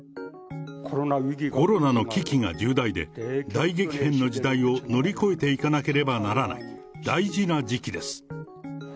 コロナの危機が重大で、大激変の時代を乗り越えていかなければならない大事な時期です。